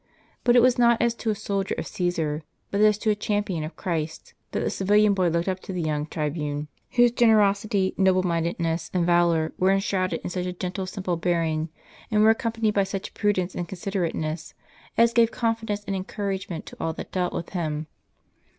But it was not as to a soldier of Caesar, but as to a champion of Christ, that the civilian boy looked up to the young tribune, whose generosity, noble mindedness, and valor, were enshrouded in such a gentle, simple bearing, and were accompanied by such prudence and considerateness, as gave confidence and encouragement to all that dealt with him.